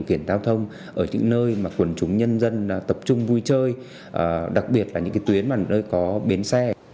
điều kiện giao thông ở những nơi mà quần chúng nhân dân tập trung vui chơi đặc biệt là những tuyến nơi có bến xe